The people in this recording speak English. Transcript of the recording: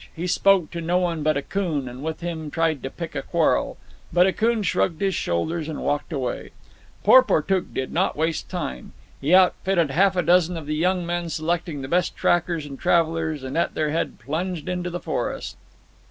He spoke to no one but Akoon, and with him tried to pick a quarrel. But Akoon shrugged his shoulders and walked away. Porportuk did not waste time. He outfitted half a dozen of the young men, selecting the best trackers and travellers, and at their head plunged into the forest.